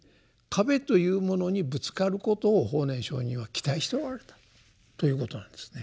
壁というものにぶつかることを法然上人は期待しておられたということなんですね。